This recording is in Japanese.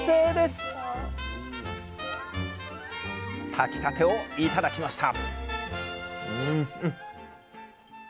炊きたてを頂きました！